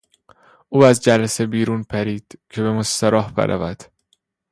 او از جلسه بیرون پرید که به مستراح برود.